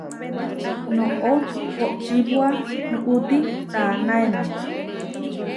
Noʼó koʼčipua nuʼúti tanaemé.